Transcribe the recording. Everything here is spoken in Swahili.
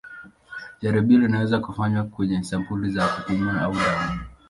Jaribio linaweza kufanywa kwenye sampuli za kupumua au damu.